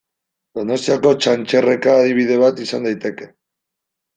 Donostiako Txantxerreka adibide bat izan daiteke.